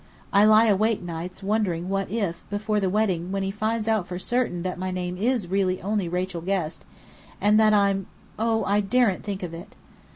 I lie awake nights wondering what if, before the wedding, when he finds out for certain that my name is really only Rachel Guest, and that I'm I oh, I daren't think of it!"